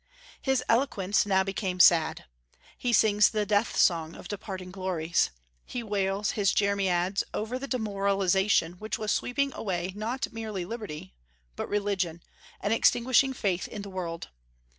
His eloquence now became sad; he sings the death song of departing glories; he wails his Jeremiads over the demoralization which was sweeping away not merely liberty, but religion, and extinguishing faith in the world.